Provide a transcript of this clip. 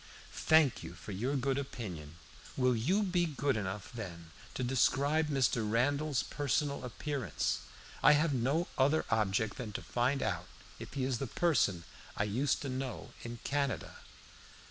"Thank you for your good opinion. Will you be good enough, then, to describe Mr. Randall's personal appearance? I have no other object than to find out if he is the person I used to know in Canada."